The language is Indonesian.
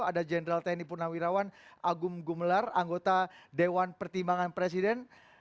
ada jenderal tni purnawirawan agung gumelar anggota dewan pertimbangan presiden